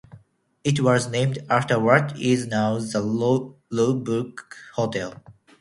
It was named after what is now the Roebuck Hotel.